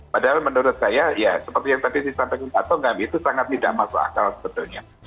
padahal menurut saya ya seperti yang tadi disampaikan pak tongam itu sangat tidak masuk akal sebetulnya